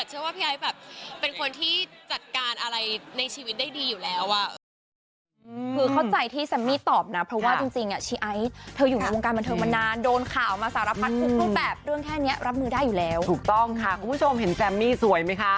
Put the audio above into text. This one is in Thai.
เชื่อว่าพี่ไอ้แบบเป็นคนที่จัดการอะไรในชีวิตได้ดีอยู่แล้วอ่ะ